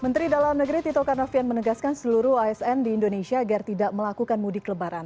menteri dalam negeri tito karnavian menegaskan seluruh asn di indonesia agar tidak melakukan mudik lebaran